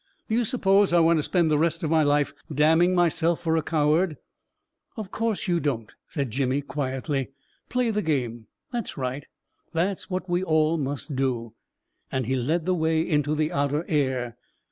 Do you suppose I want to spend the rest of my life damning myself for a coward !" 44 Of course you don't!" said Jimmy, quietly. " Play the game ! That's right ! That's what we all must do !" and he led the way into the outer air.